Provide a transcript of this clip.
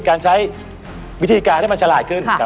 การใช้วิธีการที่มันฉลาดขึ้น